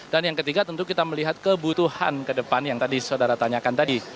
dan yang ketiga tentu kita melihat kebutuhan kedepan yang tadi saudara tanyakan tadi